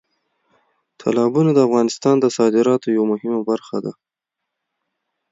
تالابونه د افغانستان د صادراتو یوه مهمه برخه ده.